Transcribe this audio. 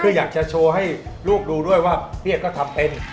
คืออยากจะโชว์ให้ลูกดูด้วยว่าพี่เอกก็ทำเป็น